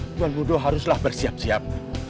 tuan guru haruslah bersiap siap